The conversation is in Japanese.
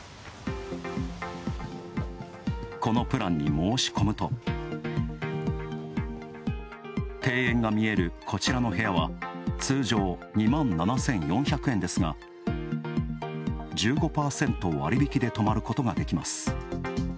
このプランに申し込むと庭園が見える、こちらの部屋は通常２万７４００円ですが１５％割引きで泊まることができます。